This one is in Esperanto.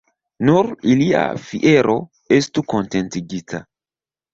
Nur ilia fiero estu kontentigita.